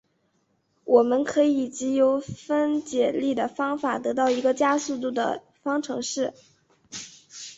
我们可以藉由分解力的方法得到一个加速度的方程式。